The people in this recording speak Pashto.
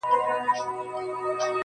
زما شاعري وخوړه زې وخوړم.